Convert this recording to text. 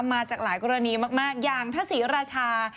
มาจากหลายกรณีมากอย่างถ้าศรีราชา